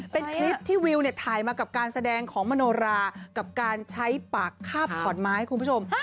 เป็นคลิปที่วิวเนี่ยถ่ายมากับการแสดงของมโนรากับการใช้ปากคาบขอนไม้คุณผู้ชม